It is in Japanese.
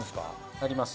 あります。